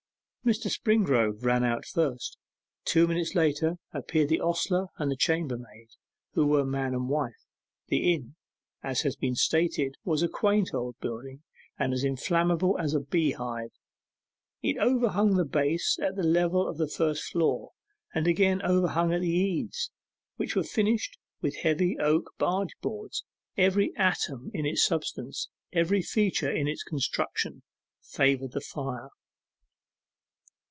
Mr. Springrove ran out first. Two minutes later appeared the ostler and chambermaid, who were man and wife. The inn, as has been stated, was a quaint old building, and as inflammable as a bee hive; it overhung the base at the level of the first floor, and again overhung at the eaves, which were finished with heavy oak barge boards; every atom in its substance, every feature in its construction, favoured the fire.